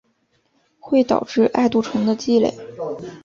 会导致艾杜醇的积累。